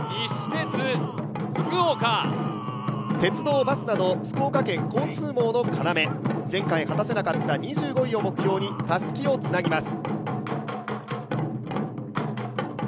鉄道・バスなど福岡県交通網の要前回果たせなかった２５位を目標にたすきをつなぎます。